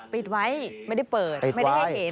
ปิดไว้ไม่ได้เปิดไม่ได้ให้เห็น